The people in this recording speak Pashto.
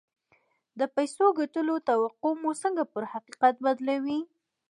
د پيسو ګټلو توقع مو څنګه پر حقيقت بدلوي؟